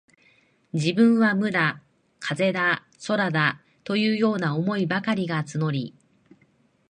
自分は無だ、風だ、空だ、というような思いばかりが募り、